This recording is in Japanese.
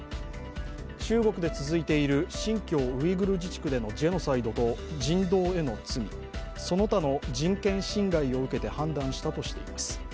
中国で続いている新疆ウイグル自治区でのジェノサイドと人道への罪、その他の人権侵害を受けて判断したとしています。